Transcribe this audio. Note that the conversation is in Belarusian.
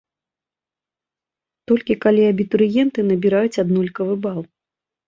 Толькі, калі абітурыенты набіраюць аднолькавы бал.